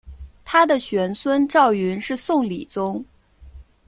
他的玄孙赵昀是宋理宗。